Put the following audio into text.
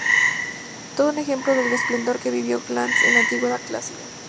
Todo un ejemplo del esplendor que vivió Gades en la Antigüedad clásica.